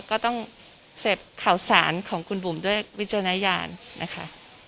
ก็ต้องเสพข่าวสารของคุณบุ๋มด้วยวิจารณญาณนะคะ